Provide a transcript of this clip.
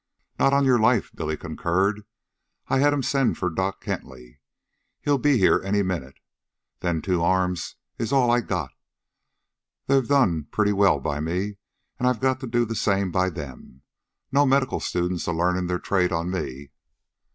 "Not on your life," Billy concurred. "I had 'em send for Doc Hentley. He'll be here any minute. Them two arms is all I got. They've done pretty well by me, an' I gotta do the same by them. No medical students a learnin' their trade on me."